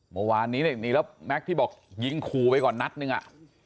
เมื่อวานนี้เนี่ยแม็กซ์ที่บอกยิงครูไปก่อนนัดนึงอะ